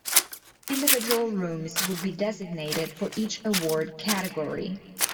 Individual rooms would be designated for each award category.